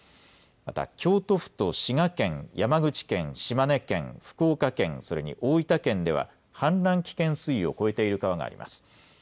また京都府と滋賀県、山口県、島根県、福岡県、それに大分県では氾濫危険水位を超えている川があります。